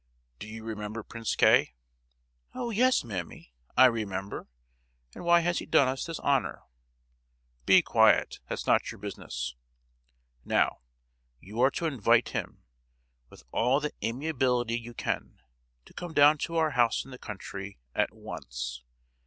Do you remember Prince K.?" "Oh, yes, mammy, I remember; and why has he done us this honour?" "Be quiet; that's not your business. Now, you are to invite him, with all the amiability you can, to come down to our house in the country, at once!